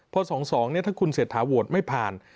เพราะ๒เนี่ยถ้าคุณเศรษฐาโหวดไม่ผ่าน